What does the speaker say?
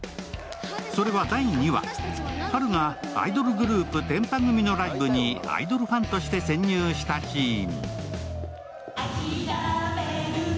それは第２話、ハルがアイドルグループでんぱ組のライブにアイドルファンとして潜入したシーン。